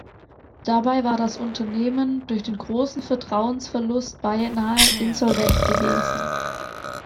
Dabei war das Unternehmen durch den großen Vertrauensverlust beinahe insolvent gewesen.